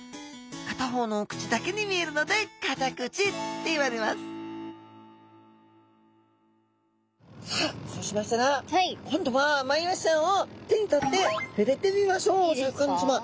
片方の口だけに見えるのでカタクチっていわれますさあそうしましたら今度はマイワシちゃんを手に取ってふれてみましょうシャーク香音さま。